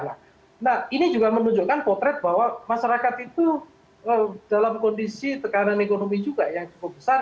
nah ini juga menunjukkan potret bahwa masyarakat itu dalam kondisi tekanan ekonomi juga yang cukup besar